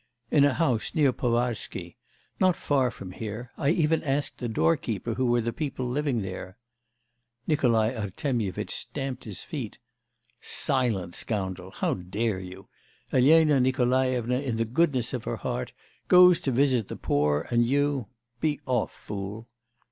'In a house, near Povarsky. Not far from here. I even asked the doorkeeper who were the people living there.' Nikolai Artemyevitch stamped with his feet. 'Silence, scoundrel! How dare you?... Elena Nikolaevna, in the goodness of her heart, goes to visit the poor and you... Be off, fool!